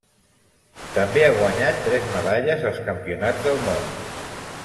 També ha guanyat tres medalles als Campionats del món.